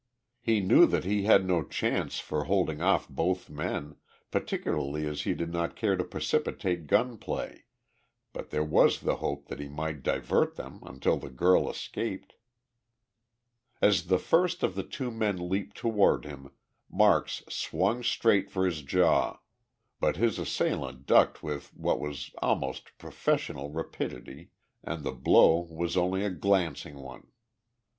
He knew that he had no chance for holding off both men, particularly as he did not care to precipitate gun play, but there was the hope that he might divert them until the girl escaped. As the first of the two men leaped toward him, Marks swung straight for his jaw, but his assailant ducked with what was almost professional rapidity and the blow was only a glancing one.